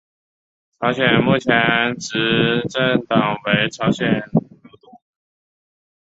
朝鲜目前的执政党为朝鲜劳动党。